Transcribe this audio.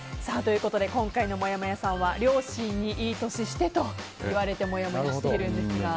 今回のもやもやさんは両親に、いい年してと言われてもやもやしているんですが。